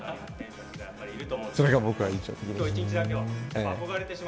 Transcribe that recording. それが僕は印象的でした。